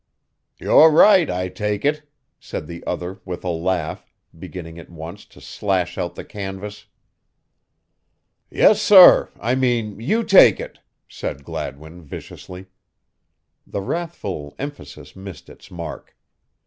"You're right, I take it," said the other with a laugh, beginning at once to slash out the canvas. "Yes, sorr, I mean, you take it!" said Gladwin viciously. The wrathful emphasis missed its mark.